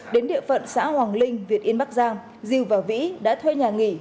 đến địa phận xã hoàng linh việt yên bắc giang diêu và vĩ đã thuê nhà nghỉ